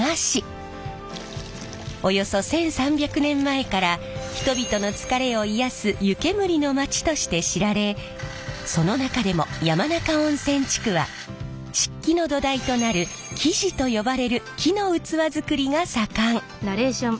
およそ１，３００年前から人々の疲れを癒やす湯けむりの街として知られその中でも山中温泉地区は漆器の土台となる木地と呼ばれる木の器作りが盛ん！